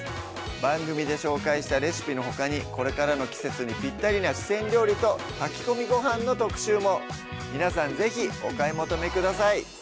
番組で紹介したレシピのほかにこれからの季節にぴったりな四川料理と炊き込みごはんの特集も皆さん是非お買い求めください